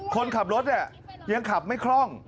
คนขับรถเนี่ยยังขับไม่คล่อง